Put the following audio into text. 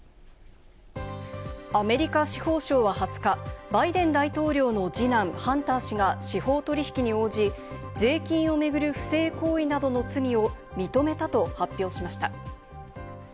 アメリカ司法省は２０日、バイデン大統領の二男・ハンター氏が司法取引に応じ、税金を巡る不正行為などの罪を認めたと発表しました。